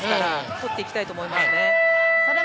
取っていきたいと思います。